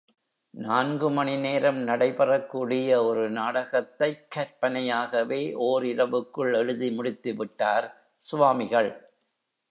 நான்கு மணி நேரம் நடைபெறக் கூடிய ஒரு நாடகத்தைக் கற்பனையாகவே ஒர் இரவுக்குள் எழுதி முடித்துவிட்டார் சுவாமிகள்.